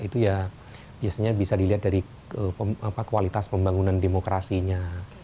itu ya biasanya bisa dilihat dari kualitas pembangunan demokrasinya